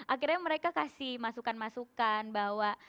akhirnya mereka kasih masukan masukan bahwa